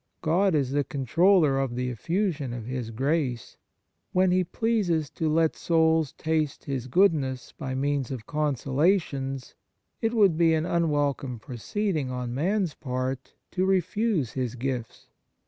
God is the controller of the effusion of His grace ; when He pleases to let souls taste His good ness by means of consolations, it would be an unwelcome proceeding on man's part to refuse His gifts.